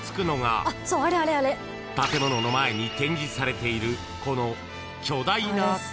［建物の前に展示されている］